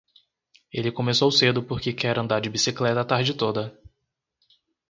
Ele começou cedo porque quer andar de bicicleta a tarde toda.